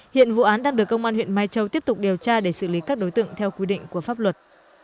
hiện vụ án đang được công an huyện mai châu tiếp tục điều tra để xử lý các đối tượng theo quy định của pháp luật